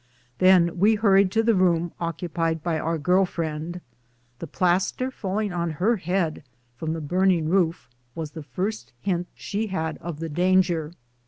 Then we hurried to the room occupied by our girl friend. The plastering falling on her bed from the burning roof was the lirst hint she had of the dan ger.